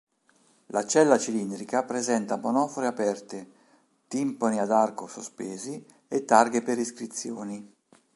La cella cilindrica presenta monofore aperte, timpani ad arco sospesi e targhe per iscrizioni.